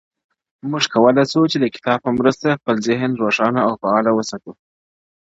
موږ کولای سو چي د کتاب په مرسته خپل ذهن روښانه او فعال وساتو -